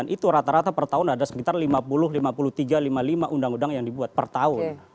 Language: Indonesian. itu rata rata per tahun ada sekitar lima puluh lima puluh tiga lima puluh lima undang undang yang dibuat per tahun